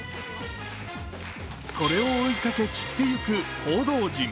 それを追いかけ散っていく報道陣。